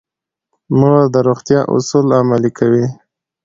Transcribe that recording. مور د روغتیا اصول عملي کوي.